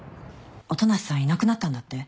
音無さんいなくなったんだって？